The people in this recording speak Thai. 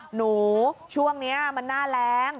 หนูช่วงนี้มันหน้าแรง